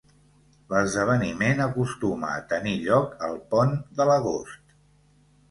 L'esdeveniment acostuma a tenir lloc al pont de l'agost.